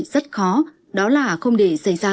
rất khó đó là không để xảy ra